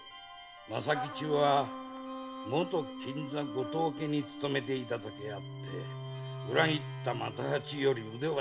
政吉は元金座・後藤家に勤めていただけあって裏切った又八より腕は確か。